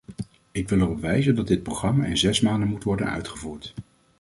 Ik wil erop wijzen dat dit programma in zes maanden moet worden uitgevoerd.